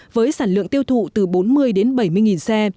với sản lượng tiêu thụ từ bốn mươi đến bảy mươi xe